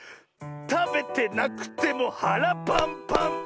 たべてなくてもはらパンパン！